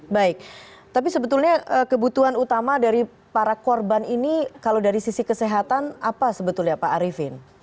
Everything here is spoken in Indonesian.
baik tapi sebetulnya kebutuhan utama dari para korban ini kalau dari sisi kesehatan apa sebetulnya pak arifin